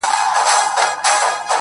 • زلفي راټال سي گراني .